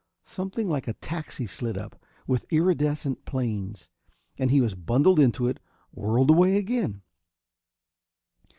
Something like a taxi slid up, with irridescent planes, and he was bundled into it, whirled away again.